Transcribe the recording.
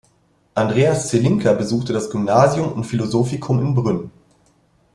Andreas Zelinka besuchte das Gymnasium und Philosophicum in Brünn.